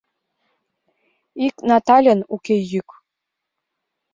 Ик Натальын уке йӱк.